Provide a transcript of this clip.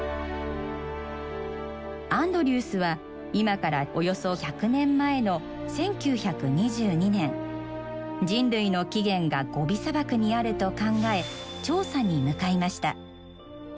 アンドリュースは今からおよそ１００年前の１９２２年人類の起源がゴビ砂漠にあると考え調査に向かいました。